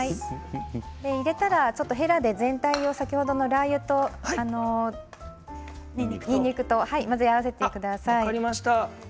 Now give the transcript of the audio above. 入れたら全体でへらで全体を先ほどのラー油、にんにくと混ぜ合わせてください。